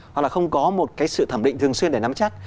hoặc là không có một cái sự thẩm định thường xuyên để nắm chắc